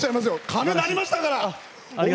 鐘、鳴りましたから。